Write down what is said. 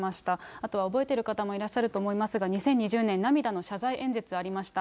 あとは覚えてる方もいらっしゃると思いますが、２０２０年、涙の謝罪演説がありました。